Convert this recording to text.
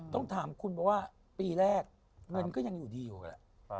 ต้องถามคุณว่าปีแรกเงินก็ยังอยู่ดีอยู่แล้ว